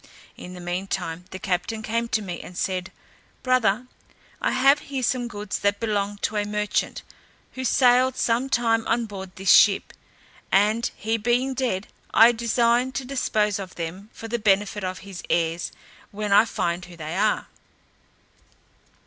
In the mean time, the captain came to me, and said, "Brother, I have here some goods that belonged to a merchant, who sailed some time on board this ship, and he being dead, I design to dispose of them for the benefit of his heirs, when I find who they are."